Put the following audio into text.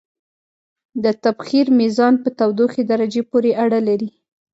د تبخیر میزان په تودوخې درجې پورې اړه لري.